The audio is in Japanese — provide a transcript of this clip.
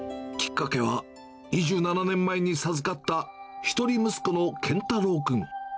きっかけは２７年前に授かった一人息子の健太朗君。